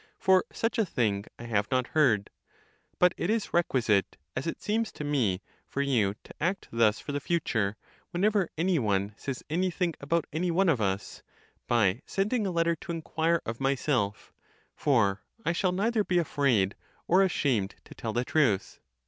?¥For such a thing I have not heard.? But it is requisite, as it seems to me, for you to act thus for the future, whenever any one says any thing about any one of us, by sending a letter to inquire of myself ; for I shall neither be afraid or ashamed to tell the truth.